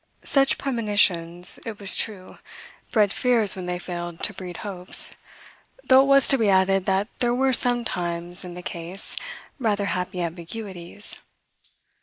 Such premonitions, it was true, bred fears when they failed to breed hopes, though it was to be added that there were sometimes, in the case, rather happy ambiguities.